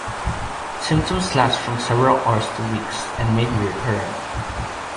Symptoms last from several hours to weeks and may be recurrent.